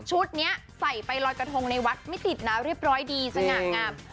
นี้ใส่ไปลอยกระทงในวัดไม่ติดนะเรียบร้อยดีสง่างาม